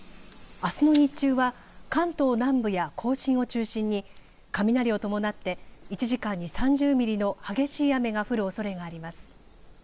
あすの日中は関東南部や甲信を中心に雷を伴って１時間に３０ミリの激しい雨が降るおそれがあります。